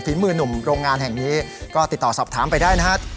หนุ่มโรงงานแห่งนี้ก็ติดต่อสอบถามไปได้นะครับ